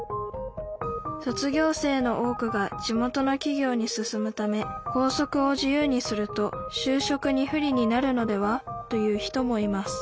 卒業生の多くが地元のきぎょうに進むため「校則を自由にすると就職に不利になるのでは？」という人もいます